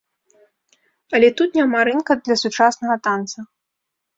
Але тут няма рынка для сучаснага танца.